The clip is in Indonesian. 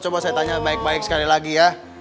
coba saya tanya baik baik sekali lagi ya